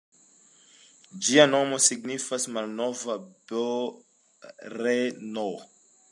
Ĝia nomo signifas "malnova Brno".